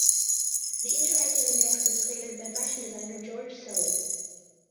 The interactive index was created by fashion designer George Sully.